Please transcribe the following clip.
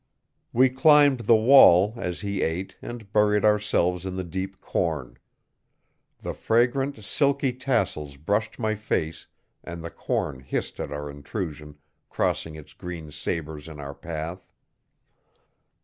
We climbed the wall, as he ate, and buried ourselves in the deep corn. The fragrant, silky tassels brushed my face and the corn hissed at our intrusion, crossing its green sabers in our path.